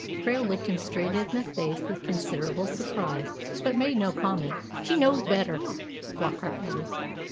Krail looked him straight in the face with considerable surprise, but made no comment. "She knows better," Flockart added.